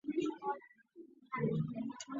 属卢布林总教区。